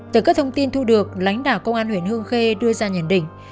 từ các thông tin thu được lãnh đạo công an huyện hương khê đưa ra nhận định